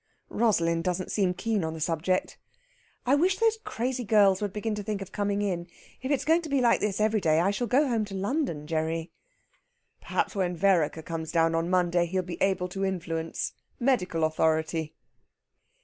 Rosalind doesn't seem keen on the subject. "I wish those crazy girls would begin to think of coming in. If it's going to be like this every day I shall go home to London, Gerry." "Perhaps when Vereker comes down on Monday he'll be able to influence. Medical authority!"